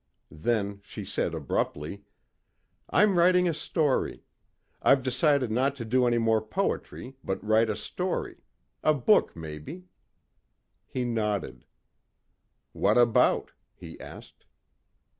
Then she said abruptly: "I'm writing a story. I've decided not to do any more poetry but write a story a book, maybe." He nodded. "What about?" he asked.